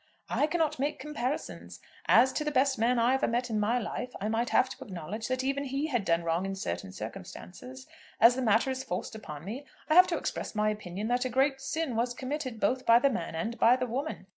"I cannot make comparisons. As to the best man I ever met in my life I might have to acknowledge that even he had done wrong in certain circumstances. As the matter is forced upon me, I have to express my opinion that a great sin was committed both by the man and by the woman.